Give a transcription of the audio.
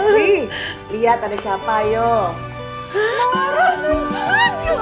lihat ada siapa yuk